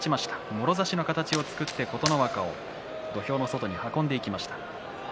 もろ差しの形を作って琴ノ若を土俵の外に運んでいきました。